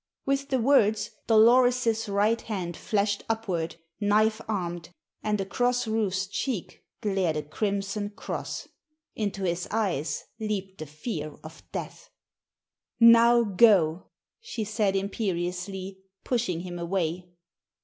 With the words Dolores's right hand flashed upward, knife armed, and across Rufe's cheek glared a crimson cross; into his eyes leaped the fear of death. "Now go!" she said imperiously, pushing him away.